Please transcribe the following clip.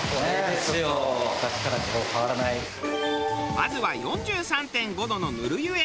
まずは４３．５度のぬる湯へ。